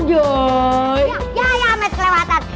ya ya ya amet kelewatan